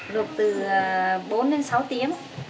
luộc từ bốn đến sáu tiếng